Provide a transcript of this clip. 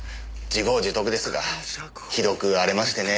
自業自得ですがひどく荒れましてね。